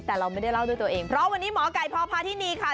แต่เราไม่ได้เล่าด้วยตัวเองเพราะวันนี้หมอไก่พอพาที่นี่ค่ะ